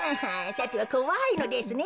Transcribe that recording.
さてはこわいのですね